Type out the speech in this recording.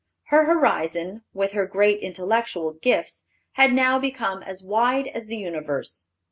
Her horizon, with her great intellectual gifts, had now become as wide as the universe.